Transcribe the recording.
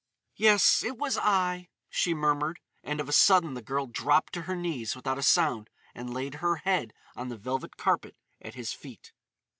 "Yes, it was I," she murmured. And of a sudden the girl dropped to her knees without a sound and laid her head on the velvet carpet at his feet.